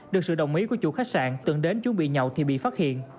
được sự đồng ý của chủ khách sạn từng đến chuẩn bị nhậu thì bị phát hiện